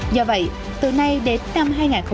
do vậy từ nay đến năm hai nghìn hai mươi